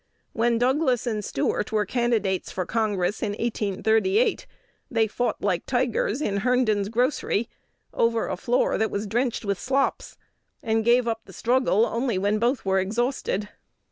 When Douglas and Stuart were candidates for Congress in 1838, they fought like tigers in Herndon's grocery, over a floor that was drenched with slops, and gave up the struggle only when both were exhausted.